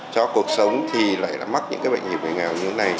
cho cuộc sống thì lại mắc những cái bệnh hiểm nghèo như thế này